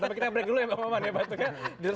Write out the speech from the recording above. tapi kita break dulu ya pak maman ya batuknya